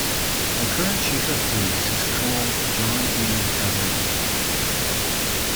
The current chief of police is Colonel John E. Gavrilis.